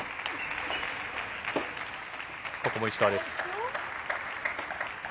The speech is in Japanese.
ここも石川です。